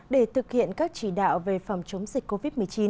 để thực hiện các chỉ đạo về phòng chống dịch covid một mươi chín